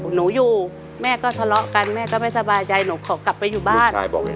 หนูอยู่แม่ก็ทะเลาะกันแม่ก็ไม่สบายใจหนูขอกลับไปอยู่บ้าน